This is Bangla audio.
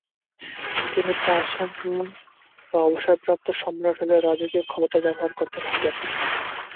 তিনি তাইশাং হুয়াং বা অবসরপ্রাপ্ত সম্রাট হলেও রাজকীয় ক্ষমতার ব্যবহার করতে থাকেন।